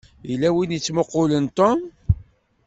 Yella win i yettmuqqulen Tom.